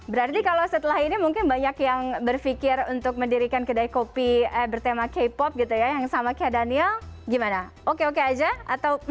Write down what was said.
berarti kalau setelah ini mungkin banyak yang berpikir untuk mendirikan kedai kopi bertema k pop gitu ya yang sama kayak daniel gimana oke oke aja atau